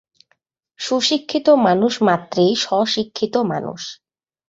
সুশিক্ষিত মানুষ মাত্রেই স্ব-শিক্ষিত মানুষ।